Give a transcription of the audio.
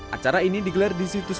acara ini digelar di situs